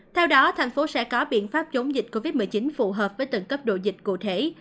theo đó thành phố sẽ có biện pháp chống dịch covid một mươi chín phù hợp với từng cấp độ dịch cụ thể